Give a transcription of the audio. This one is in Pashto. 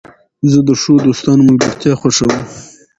زه د ښو دوستانو ملګرتیا خوښوم.